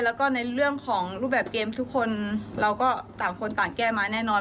แล้วก็ในเรื่องของรูปแบบเกมทุกคนเราก็ต่างคนต่างแก้มาแน่นอน